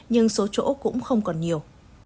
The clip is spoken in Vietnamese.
nhưng số chỗ cũng không còn nhiều